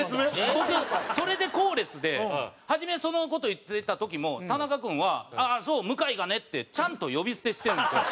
僕それで後列で初めその事を言ってた時も田中君は「ああそう向がね」ってちゃんと呼び捨てしてるんですよ。